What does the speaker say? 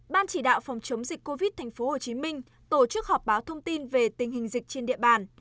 ban chỉ đạo phòng chống dịch covid tp hcm tổ chức họp báo thông tin về tình hình dịch trên địa bàn